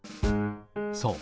そう。